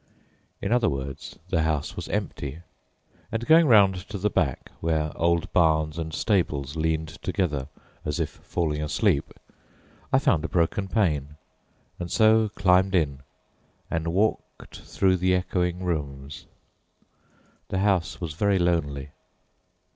In other words, the house was empty; and going round to the back, where old barns and stables leaned together as if falling asleep, I found a broken pane, and so climbed in and walked through the echoing rooms. The house was very lonely.